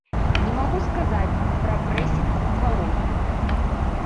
Не магу сказаць пра прэсінг у калоніі.